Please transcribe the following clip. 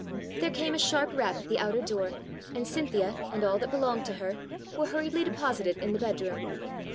There came a sharp rap at the outer door, and Cynthia and all that belonged to her were hurriedly deposited in the bedroom.